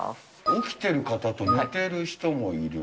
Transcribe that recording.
起きてる方と寝てる人もいる。